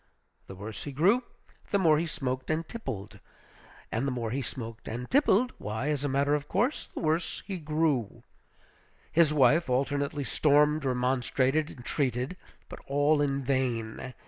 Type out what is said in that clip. The worse he grew, the more he smoked and tippled; and the more he smoked and tippled, why, as a matter of course, the worse he grew. His wife alternately stormed, remonstrated, entreated; but all in vain.